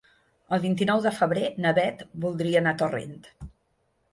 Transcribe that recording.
El vint-i-nou de febrer na Bet voldria anar a Torrent.